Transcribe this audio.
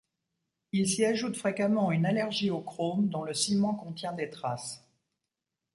Il s'y ajoute fréquemment une allergie au chrome dont le ciment contient des traces.